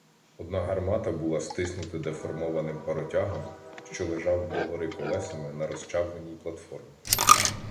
Одна гармата була стиснута деформованим паротягом, що лежав догори колесами на розчавленій платформі.